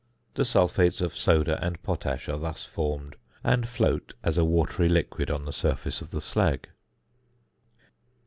The sulphates of soda and potash are thus formed, and float as a watery liquid on the surface of the slag.